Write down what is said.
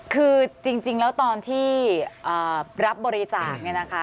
คือจริงแล้วตอนที่รับบริจาค